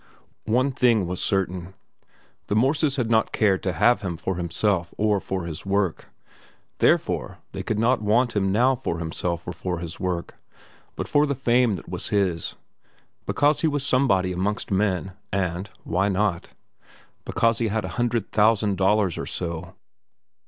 One thing was certain: the Morses had not cared to have him for himself or for his work. Therefore they could not want him now for himself or for his work, but for the fame that was his, because he was somebody amongst men, and—why not?—because he had a hundred thousand dollars or so.